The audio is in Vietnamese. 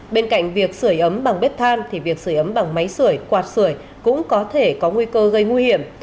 bên cạnh việc sửa ấm bằng bếp than thì việc sửa ấm bằng máy sửa quạt sửa cũng có thể có nguy cơ gây nguy hiểm